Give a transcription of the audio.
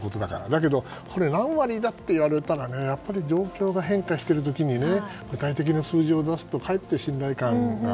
だけど何割だって言われたら状況が変化している時に具体的な数字を出すとかえって信頼感が。